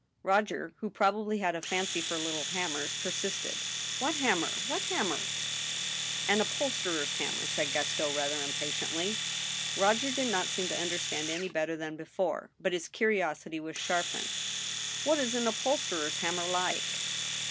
Roger, who probably had a fancy for little hammers, per sisted: " What hammer ? what hammer ?"" An upholsterer's hammer," said Gaston, rather impatiently. Roger did not seem to understand any better than before ; but his curiosity was sharpened. " What is an upholsterer's hammer like